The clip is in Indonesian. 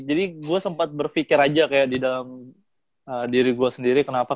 jadi gue sempat berpikir aja kayak di dalam diri gue sendiri kenapa